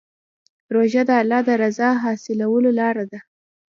روژه د الله د رضا حاصلولو لاره ده.